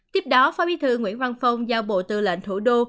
tiếp đó phó bí thư nguyễn văn phong giao bộ tư lệnh thủ đô